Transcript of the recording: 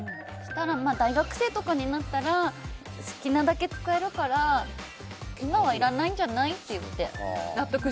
大学生とかになったら好きなだけ使えるから今はいらないんじゃない？って言って。